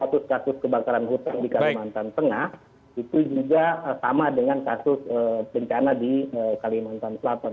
kasus kasus kebakaran hutan di kalimantan tengah itu juga sama dengan kasus bencana di kalimantan selatan